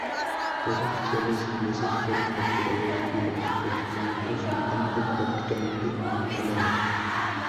Dos oficiales ingleses fueron capturados y los regimientos británicos prácticamente aniquilados.